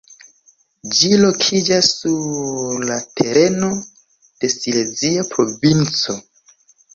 Ĝi lokiĝas sur la tereno de Silezia Provinco.